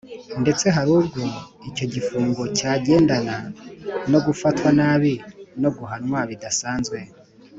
nde tse hari ubwo icyo gifungo cyagendana no gufatwa nabi no guhanwa bidasanzwe.